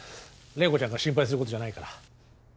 麗子ちゃんが心配することじゃないから。